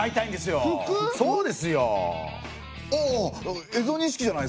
そうですよ！